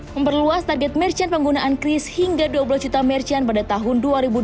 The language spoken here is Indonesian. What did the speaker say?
memperluas target merchant penggunaan cris hingga dua belas juta merchant pada tahun dua ribu dua puluh